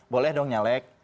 boleh dong nyalek